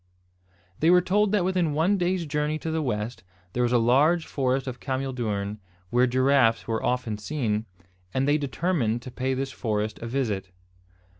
They were told that within one day's journey to the west, there was a large forest of cameel doorn, where giraffes were often seen, and they determined to pay this forest a visit.